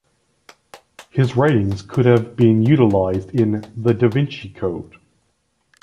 His writings could even have been utilized in "The Da Vinci Code".